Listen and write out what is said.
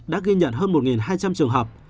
đã ghi nhận hơn một hai trăm linh trường hợp